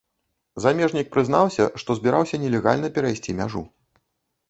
Замежнік прызнаўся, што збіраўся нелегальна перайсці мяжу.